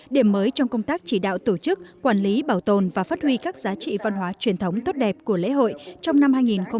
điểm mới trong công tác chỉ đạo tổ chức quản lý bảo tồn và phát huy các giá trị văn hóa truyền thống tốt đẹp của lễ hội trong năm hai nghìn hai mươi